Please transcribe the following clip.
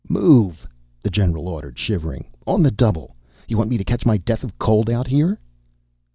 "Move!" the general ordered, shivering. "On the double! You want me to catch my death of cold out here?"